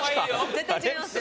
絶対違います。